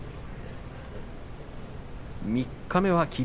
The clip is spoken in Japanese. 三日目は霧